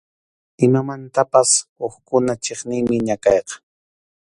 Imamantapas hukkuna chiqniymi ñakayqa.